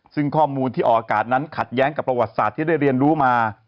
ซึ่งข้อมูลที่ออกอากาศนั้นขัดแย้งกับประวัติศาสตร์ที่ได้เรียนรู้มา